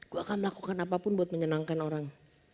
gue akan melakukan apapun buat menyenangkan orang